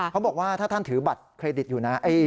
เขาบอกว่าถ้าท่านถือบัตรเครดิตอยู่นะ